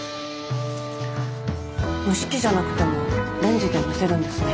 蒸し器じゃなくてもレンジで蒸せるんですね。